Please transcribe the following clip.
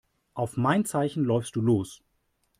Auf mein Zeichen läufst du los.